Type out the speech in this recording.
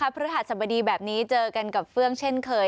พฤหัสบดีแบบนี้เจอกันกับเฟื่องเช่นเคย